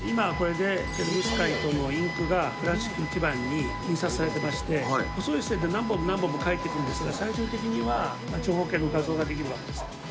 今、これでペロブスカイトのインクがプラスチック基板に印刷されてまして、細い線で何本も何本もかえってくるんですが、最終的には長方形の画像が出来るわけです。